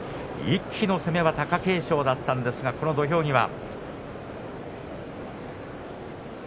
一気の攻めは貴景勝だったんですが土俵際。